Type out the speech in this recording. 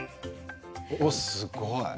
すごい。